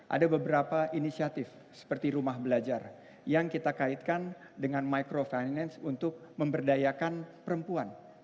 ada beberapa inisiatif seperti rumah belajar yang kita kaitkan dengan microfinance untuk memberdayakan perempuan